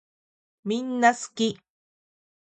みんなすき